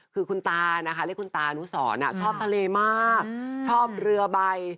คือคุณตานู้สรชอบทะเลมากชอบเรือใบ